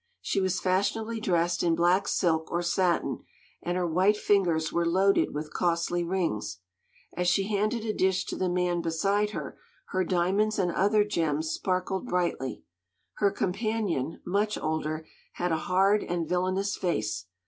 She was fashionably dressed in black silk or satin, and her white fingers were loaded with costly rings. As she handed a dish to the man beside her, her diamonds and other gems sparkled brightly. Her companion, much older, had a hard and villainous face.